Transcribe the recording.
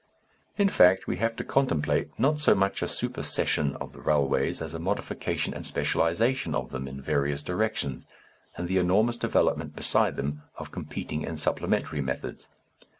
In fact, we have to contemplate, not so much a supersession of the railways as a modification and specialization of them in various directions, and the enormous development beside them of competing and supplementary methods.